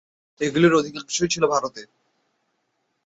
এগুলির অধিকাংশই ছিল ভারতে।